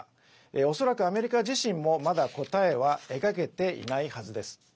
恐らく、アメリカ自身もまだ答えは描けていないはずです。